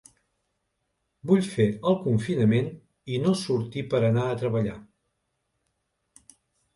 Vull fer el confinament i no sortir per anar a treballar.